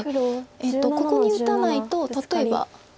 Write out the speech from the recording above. ここに打たないと例えば。